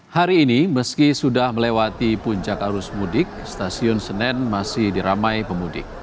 hari ini meski sudah melewati puncak arus mudik stasiun senen masih diramai pemudik